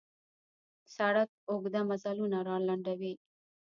سړک اوږده مزلونه را لنډوي.